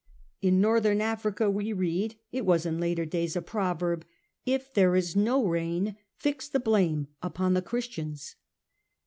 In Northern Africa, we read, it was in later days a proverb, ^ If there is no rain, fix the blame upon the Christians.